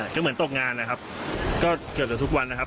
ก็เหมือนตกงานนะครับก็เกือบจะทุกวันนะครับ